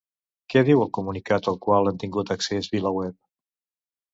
Què diu el comunicat al qual ha tingut accés VilaWeb?